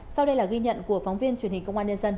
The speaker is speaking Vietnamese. sau đây là ghi nhận của phóng viên truyền hình công an nhân dân